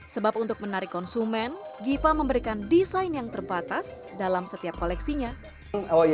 sebab untuk menarik konsumen giva memberikan desain yang terbatas dalam setiap koleksinya